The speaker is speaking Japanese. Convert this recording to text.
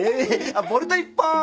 ボルト１本！